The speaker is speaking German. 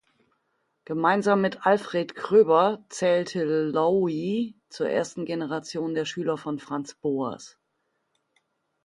Gemeinsam mit Alfred Kroeber zählte Lowie zur ersten Generation der Schüler von Franz Boas.